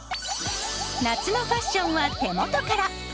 夏のファッションは手元から！